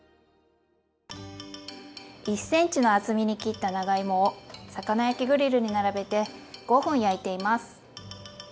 １ｃｍの厚みに切った長芋を魚焼きグリルに並べて５分焼いています。